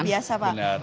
luar biasa pak